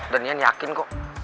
dan iyan yakin kok